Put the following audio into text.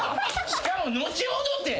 しかも後ほどって。